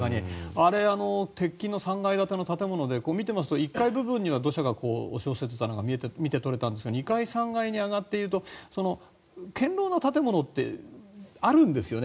あれ、鉄筋の３階建ての建物で見ていますと１階部分には土砂が押し寄せていたのが見て取れたんですが２階、３階に上がっていくと堅牢な建物ってあるんですよね